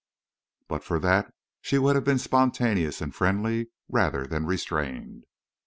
But for that she would have been spontaneous and friendly rather than restrained.